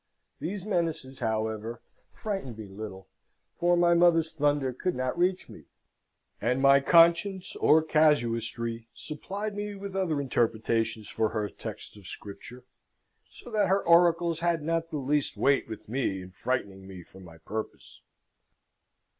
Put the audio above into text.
These menaces, however, frightened me little: my poor mother's thunder could not reach me; and my conscience, or casuistry, supplied me with other interpretations for her texts of Scripture, so that her oracles had not the least weight with me in frightening me from my purpose.